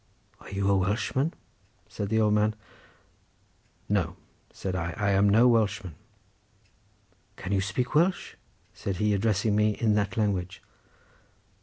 "Are you a Welshman?" said the old man. "No," said I, "I am no Welshman." "Can you speak Welsh?" said he, addressing me in that language.